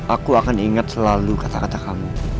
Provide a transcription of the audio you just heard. aku akan ingat selalu kata kata kamu